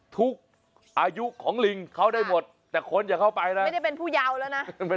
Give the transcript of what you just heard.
ทุกอายุของลิงเขาได้หมดแต่คนอย่าเข้าไปนะไม่ได้เป็นผู้เยาว์แล้วนะ